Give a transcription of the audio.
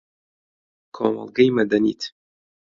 کۆمەڵگەی مەدەنیت